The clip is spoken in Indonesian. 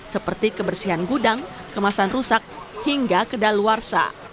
seperti kebersihan gudang kemasan rusak hingga kedaluarsa